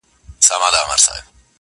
ښکارېدی چي له وطنه لیري تللی؛